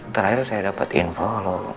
terakhir saya dapat info loh